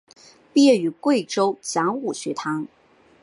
毕业于贵州讲武学堂。